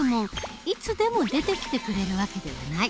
いつでも出てきてくれる訳ではない。